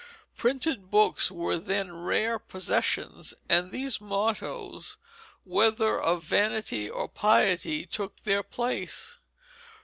Printed books were then rare possessions, and these mottoes, whether of vanity or piety, took their place.